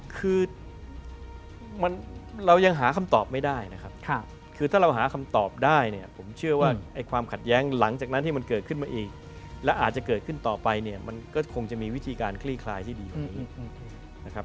คือเรายังหาคำตอบไม่ได้นะครับคือถ้าเราหาคำตอบได้เนี่ยผมเชื่อว่าไอ้ความขัดแย้งหลังจากนั้นที่มันเกิดขึ้นมาอีกและอาจจะเกิดขึ้นต่อไปเนี่ยมันก็คงจะมีวิธีการคลี่คลายที่ดีกว่านี้นะครับ